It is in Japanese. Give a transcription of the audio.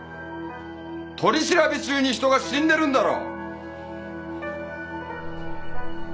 取り調べ中に人が死んでるんだろ！